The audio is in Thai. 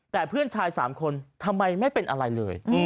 แต่เพื่อนชาย๓คนทำไมไม่เป็นอะไรเลย